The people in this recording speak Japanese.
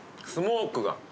スモークが。